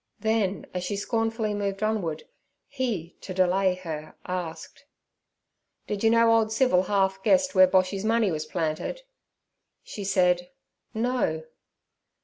Then, as she scornfully moved onward, he, to delay her, asked: 'Did you know old Civil half guessed where Boshy's money was planted?' She said 'No.'